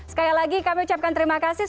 sekali lagi kami ucapkan terima kasih